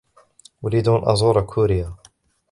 أريد أن أزور كوريا.